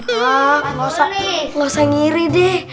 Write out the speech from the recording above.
wah gak usah ngiri deh